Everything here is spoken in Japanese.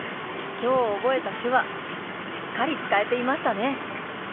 今日覚えた手話しっかり使えていましたね！